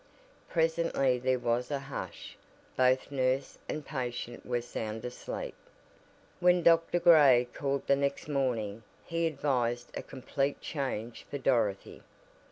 Presently there was a hush both nurse and patient were sound asleep. When Dr. Gray called the next morning he advised a complete change for Dorothy.